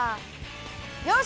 よし！